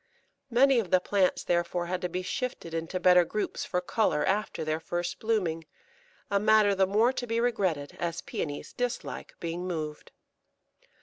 Many of the plants therefore had to be shifted into better groups for colour after their first blooming, a matter the more to be regretted as Pæonies dislike being moved.